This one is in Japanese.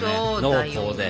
濃厚で。